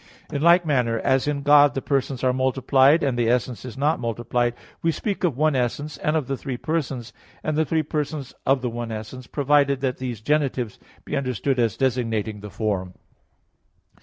In like manner, as in God the persons are multiplied, and the essence is not multiplied, we speak of one essence of the three persons, and three persons of the one essence, provided that these genitives be understood as designating the form.